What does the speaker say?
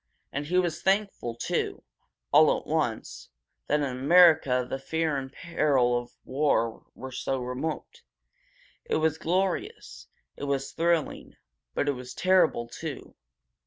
And he was thankful, too, all at once, that in America the fear and peril of War were so remote. It was glorious, it was thrilling, but it was terrible, too.